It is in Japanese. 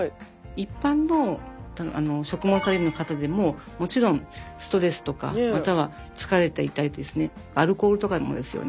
一般の食物アレルギーの方でももちろんストレスとかまたは疲れていたりですねアルコールとかもですよね